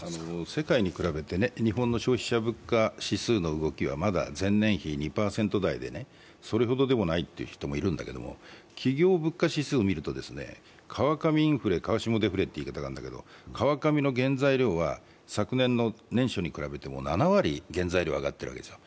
世界に比べて日本の消費者物価指数の動きはまだ前年比２％台でそれほどでもないという人もいるんだけれども、企業物価指数を見ると、川上インフレ、川下デフレって言葉があるんだけど川上の原材料は昨年の年初に比べても７割、原材料が上がっているんですよ。